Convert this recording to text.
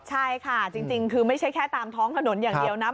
ใช่ค่ะจริงคือไม่ใช่แค่ตามท้องถนนอย่างเดียวนะ